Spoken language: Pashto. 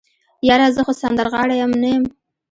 يره زه خو سندرغاړی ام نه يم.